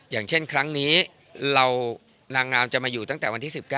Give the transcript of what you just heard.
อย่างเช่นครั้งนี้นางงามจะมาอยู่ตั้งแต่วันที่๑๙